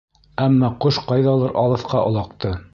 Әммә ҡош ҡайҙалыр алыҫҡа олаҡты.